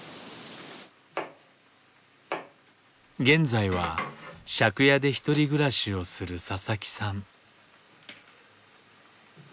現在は借家で１人暮らしをする佐々木さん。